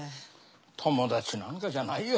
友達なんかじゃないよ